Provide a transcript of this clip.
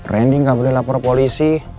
rendy gak boleh lapor polisi